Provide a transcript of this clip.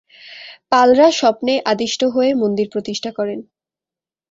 পালরা স্বপ্নে আদিষ্ট হয়ে মন্দির প্রতিষ্ঠা করেন।